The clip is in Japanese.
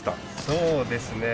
そうですね。